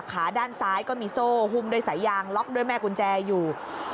ขาด้านซ้ายก็มีโซ่หุ้มด้วยสายยางล็อกด้วยแม่กุญแจอยู่